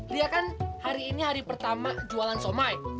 dia kan hari ini hari pertama jualan somai